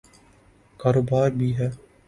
کاروبار بھی ہے۔